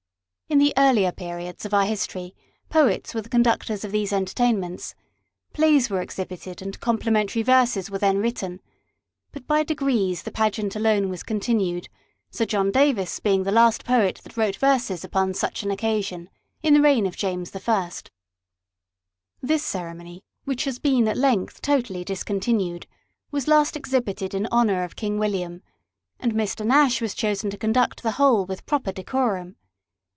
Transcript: In the earlier periods of our history, poets were the conductors of these entertainments : plays were exhibited, and complimentary verses were then written ; but by degrees the pageant alone was continued, Sir John Davis being the last poet that wrote verses upon such an occasion, in the reign of James I. This ceremony, which has been at length totally discontinued, was last exhibited in honour of King William, and Mr. Nash was chosen to conduct the whole with proper decorum.